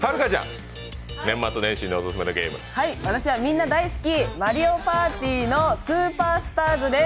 私はみんな大好き「マリオパーティースーパースターズ」です。